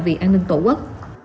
vì an ninh tổ quốc